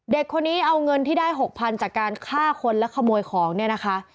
เด็กคนนี้เอาเงินที่ได้๖๐๐๐จากการฆ่าคนและขโมยของเนี่ยนะคะ